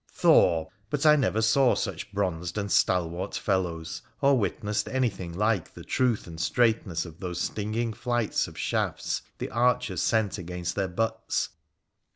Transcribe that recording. Thor ! but I never saw such bronzed and stalwart fellows, or witnessed anything like the truth and straightness of those stinging flights of shafts the archers sent against their butts